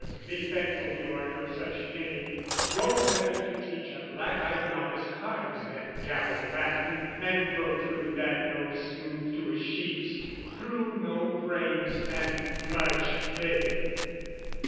"Be thankful you are no such ninny, go "Rather to teach a black eyed novice cards "Than gabble Latin and protrude that nose "Smoothed to a sheep's through no brains and much faith!"